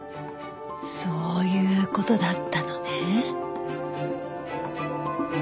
そういう事だったのね。